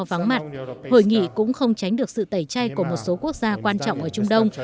vắng mặt hội nghị cũng không tránh được sự tẩy chay của một số quốc gia quan trọng ở trung đông